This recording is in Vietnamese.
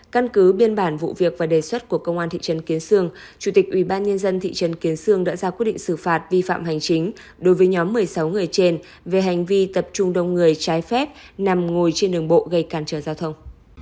căn cứ biên bản vụ việc và đề xuất của công an thị trấn kiến sương chủ tịch ubnd thị trấn kiến sương đã ra quyết định xử phạt vi phạm hành chính đối với nhóm một mươi sáu người trên về hành vi tập trung đông người trái phép nằm ngồi trên đường bộ gây cản trở giao thông